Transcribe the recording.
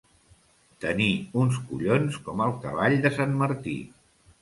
Tenir uns collons com el cavall de sant Martí.